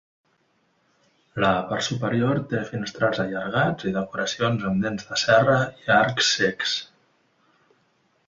La part superior té finestrals allargats i decoracions amb dents de serra i arcs cecs.